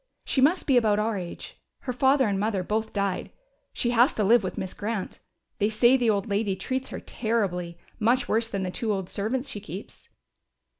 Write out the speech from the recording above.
She must be about our age. Her father and mother both died, so she has to live with Miss Grant. They say the old lady treats her terribly much worse than the two old servants she keeps."